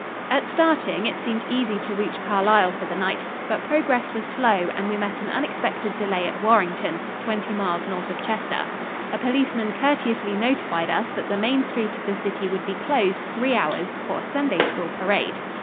At starting it seemed easy to reach Carlisle for the night, but progress was slow and we met an unexpected delay at Warrington, twenty miles north of Chester. A policeman courteously notified us that the main street of the city would be closed three hours for a Sunday School parade.